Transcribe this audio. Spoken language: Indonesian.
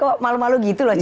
kok malu malu gitu loh